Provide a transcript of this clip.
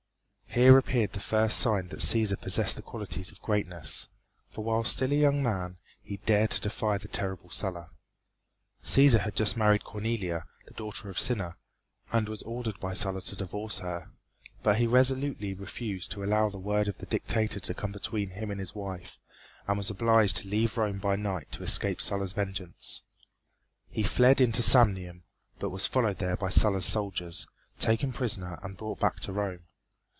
Here appeared the first sign that Cæsar possessed the qualities of greatness for while still a young man, he dared to defy the terrible Sulla. Cæsar had just married Cornelia, the daughter of Cinna, and was ordered by Sulla to divorce her. But he resolutely refused to allow the word of the dictator to come between him and his wife, and was obliged to leave Rome by night to escape Sulla's vengeance. He fled into Samnium, but was followed there by Sulla's soldiers, taken prisoner and brought back to Rome.